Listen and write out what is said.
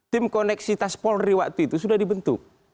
tim koneksitas polri waktu itu sudah dibentuk